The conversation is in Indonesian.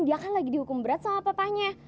dia kan lagi dihukum berat sama papanya